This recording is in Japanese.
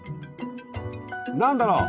何だろう？